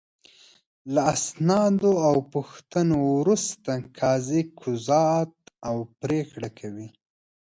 له اسنادو او پوښتنو وروسته قاضي قضاوت او پرېکړه کوي.